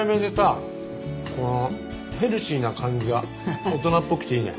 このヘルシーな感じが大人っぽくていいね。